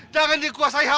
jangan dikuasai hati